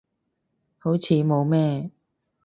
好似冇咩